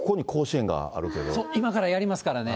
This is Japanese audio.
そう、今からやりますからね。